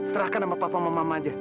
serahkan sama papa sama mama aja